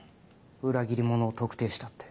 裏切り者を特定したって。